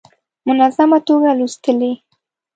منظمه توګه لوستلې.